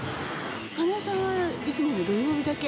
金井さんはいつも土曜日だけ。